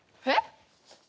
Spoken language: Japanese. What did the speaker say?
えっ！？